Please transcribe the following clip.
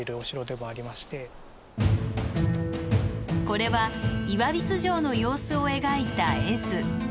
これは岩櫃城の様子を描いた絵図。